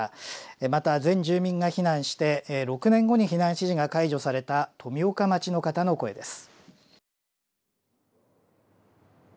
また全住民が避難して６年後に避難指示が解除された富岡町の方の声です。